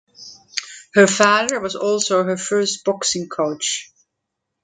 Her father was also her first boxing coach.